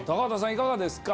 いかがですか？